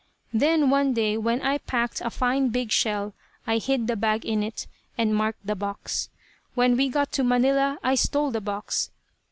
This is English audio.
Then, one day, when I packed a fine big shell, I hid the bag in it, and marked the box. When we got to Manila I stole the box.